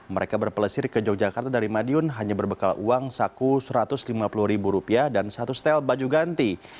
mereka berpelesir ke yogyakarta dari madiun hanya berbekal uang saku satu ratus lima puluh ribu rupiah dan satu setel baju ganti